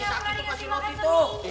nggak belan nanti makan sendiri